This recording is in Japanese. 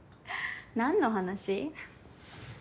何の話？